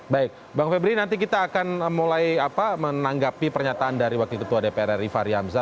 baik bang febri nanti kita akan mulai menanggapi pernyataan dari wakil ketua dpr ri fahri hamzah